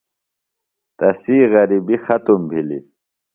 تسی غربیۡ ختم بِھلیۡ۔